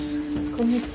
こんにちは。